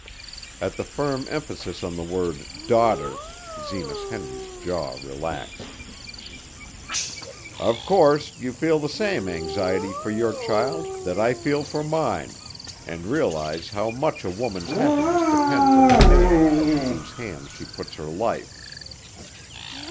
At the firm emphasis on the word daughter, Zenas Henry's jaw relaxed. "Of course, you feel the same anxiety for your child that I feel for mine, and realize how much a woman's happiness depends on the man into whose hands she puts her life.